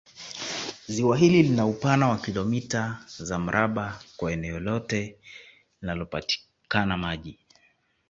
Ziwa hili lina upana wa kilomita za mraba kwa eneo lote linalopatikana maji